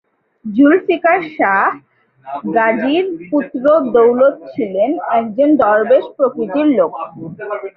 জুলফিকার শাহ গাজীর পুত্র দৌলত ছিলেন একজন দরবেশ প্রকৃতির লোক।